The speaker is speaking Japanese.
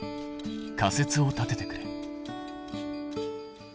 仮説を立ててくれ。